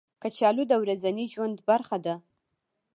کچالو د ورځني ژوند برخه ده